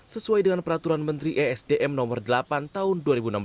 sesuai dengan peraturan menteri esdm nomor delapan tahun dua ribu enam belas